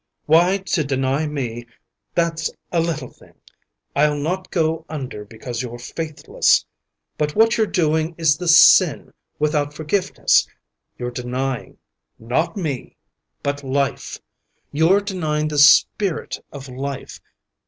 Why, to deny me, that's a little thing. I'll not go under be cause you're faithless. But what you're doing is the sin without forgiveness. You're denying — not me — but life. You're denying the spirit of life.